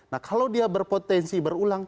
nah kalau dia berpotensi berulang